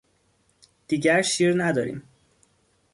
دیگر شیر نداریم.